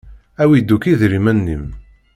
Awi-d akk idrimen-im!